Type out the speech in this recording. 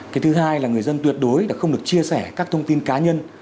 cái thứ hai là người dân tuyệt đối không được chia sẻ các thông tin cá nhân